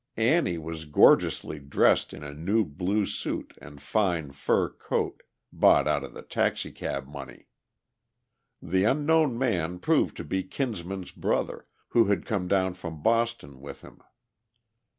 Annie was gorgeously dressed in a new blue suit and fine fur coat, bought out of the taxicab money. The unknown man proved to be Kinsman's brother, who had come down from Boston with him.